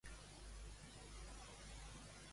Pensa continuar presidint Òmnium Cultural?